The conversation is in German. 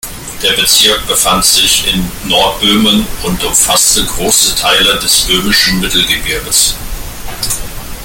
Der Bezirk befand sich in Nordböhmen und umfasste große Teile des Böhmischen Mittelgebirges.